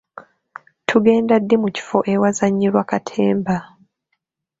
Tugenda ddi mu kifo ewazannyirwa katemba?